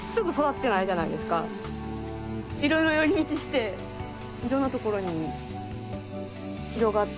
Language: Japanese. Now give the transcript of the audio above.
いろいろ寄り道していろんなところに広がって。